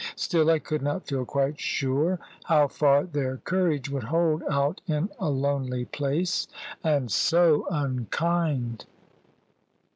Still I could not feel quite sure how far their courage would hold out in a lonely place, and so unkind.